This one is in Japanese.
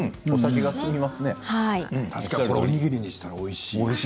これ確かにおにぎりにしたらおいしい。